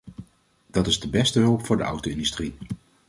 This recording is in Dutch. Dat is de beste hulp voor de auto-industrie.